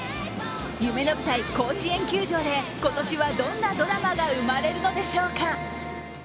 夢の舞台・甲子園球場で今年はどんなドラマが生まれるのでしょうか。